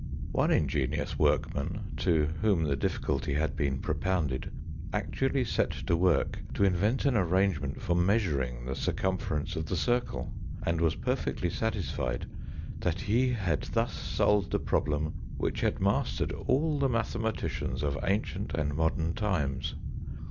One ingenious workman, to whom the difficulty had been propounded, actually set to work to invent an arrangement for measuring the circumference of the circle; and was perfectly satisfied that he had thus solved a problem which had mastered all the mathematicians of ancient and modern times.